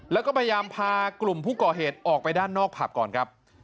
แล้วก็พยายามพากลุ่มผู้ก่อเหตุออกไปด้านนอกผับก่อนครับ